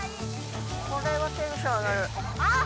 これはテンション上がるあっ！